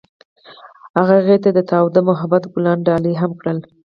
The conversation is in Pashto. هغه هغې ته د تاوده محبت ګلان ډالۍ هم کړل.